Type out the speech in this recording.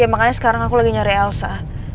makanya sekarang aku lagi nyari elsa